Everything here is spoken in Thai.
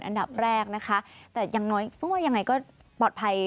อันดับแรกนะคะแต่อย่างน้อยพูดว่ายังไงก็ปลอดภัย